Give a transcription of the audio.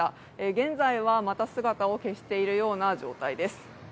現在はまた姿を消しているような状態です。